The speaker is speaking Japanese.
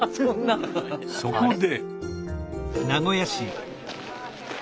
そこで。